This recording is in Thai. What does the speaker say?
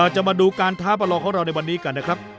จะมาดูการท้าประลองของเราในวันนี้กันนะครับ